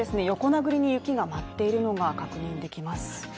横殴りの雪が舞っているのが確認できます。